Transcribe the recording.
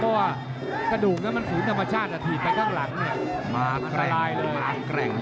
เพราะว่ากระดูกนั้นมันฝืนธรรมชาติถีบไปข้างหลังเนี่ยมาคลายเลยมาแกร่ง